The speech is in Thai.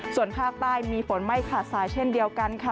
ส่วนภาคใต้มีฝนไม่ขาดสายเช่นเดียวกันค่ะ